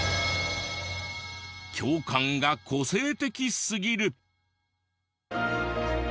教官が個性的すぎる。